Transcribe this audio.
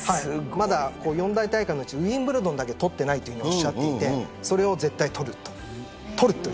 まだ四大大会のうちウィンブルドンだけ取っていないとおっしゃっていてそれを絶対取ると。